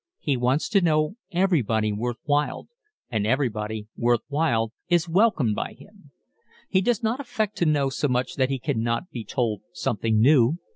He wants to know everybody worth while and everybody worth while is welcomed by him. He doesn't affect to know so much that he cannot be told something new.